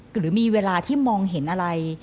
หรือมีเวลาที่มองเห็นอะไร